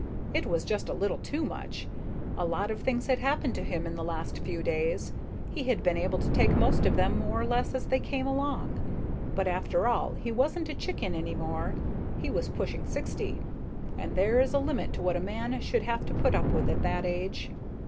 It was just a little too much. A lot of things had happened to him in the last few days, he had been able to take most of them more or less as they came along, but after all, he wasn't a chicken any more, he was pushing sixty, and there is a limit to what a man should have to put up with at that age.